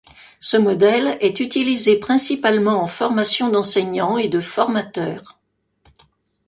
Ce modèle est utilisé principalement en formation d'enseignants et de formateurs.